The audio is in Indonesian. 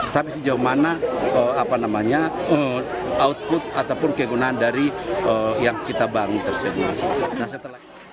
tapi sejauh mana output ataupun kegunaan dari yang kita bangun tersebut